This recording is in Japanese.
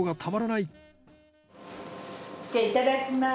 いただきます。